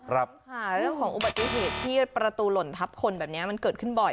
เรื่องของอุบัติเหตุที่ประตูหล่นทับคนแบบนี้มันเกิดขึ้นบ่อย